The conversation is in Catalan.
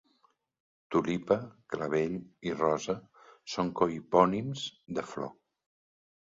Tulipa, clavell i rosa són cohipònims de flor.